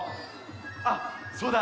あっそうだ！